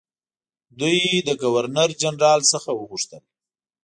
دوی له ګورنرجنرال څخه وغوښتل.